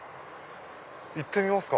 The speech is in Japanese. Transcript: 行ってみますか。